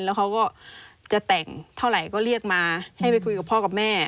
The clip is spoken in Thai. แล้วเขาก็จะแต่งเท่าไหร่ก็เรียกมาให้ไปคุยกับพ่อกับแม่